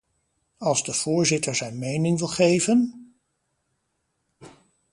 Als de voorzitter zijn mening wil geven ...